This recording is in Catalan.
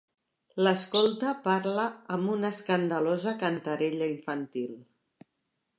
L'escolta parlar amb una escandalosa cantarella infantil.